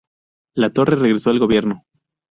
Latorre regresó al gobierno.